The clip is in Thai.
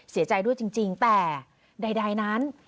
เสียใจด้วยจริงแต่ใดนั้น